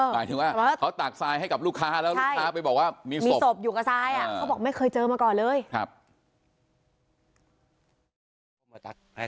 หมายถึงว่าเขาตากทรายให้กับลูกค้าแล้วลูกค้าไปบอกว่ามีศพอยู่กับทราย